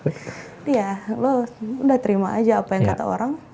jadi ya lo udah terima aja apa yang kata orang